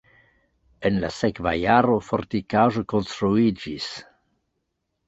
En la sekva jaro fortikaĵo konstruiĝis.